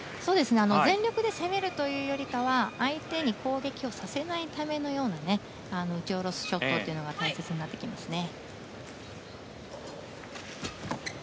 全力で攻めるというよりかは相手に攻撃をさせないためのような打ち下ろすショットが大切になってきますね。